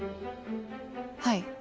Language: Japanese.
はい。